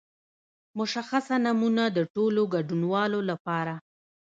مشخصه نمونه د ټولو ګډونوالو لپاره.